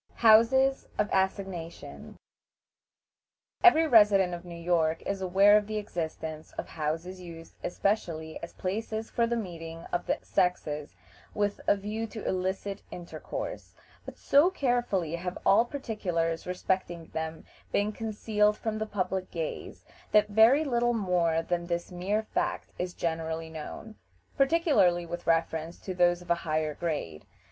HOUSES OF ASSIGNATION. Every resident of New York is aware of the existence of houses used especially as places for the meeting of the sexes with a view to illicit intercourse; but so carefully have all particulars respecting them been concealed from the public gaze, that very little more than this mere fact is generally known, particularly with reference to those of a higher grade.